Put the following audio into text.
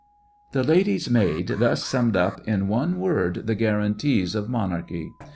The lady's maid thus summed up in one word the guarantees of monarchy.